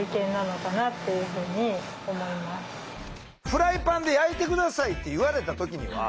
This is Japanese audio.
「フライパンで焼いて下さい」って言われた時には？